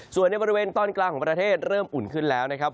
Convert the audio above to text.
ส่วนในบริเวณตอนกลางของประเทศเริ่มอุ่นขึ้นแล้วนะครับ